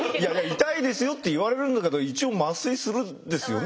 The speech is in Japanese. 「痛いですよ」って言われるんだけど一応麻酔するんですよね。